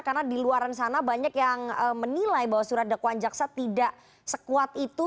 karena di luaran sana banyak yang menilai bahwa surat dakwaan jaksa tidak sekuat itu